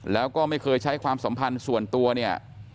แล้วก็ไม่เคยใช้ความสัมพันธ์ส่วนตัวเนี่ย